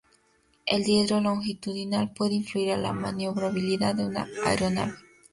El diedro longitudinal puede influir en la maniobrabilidad de una aeronave.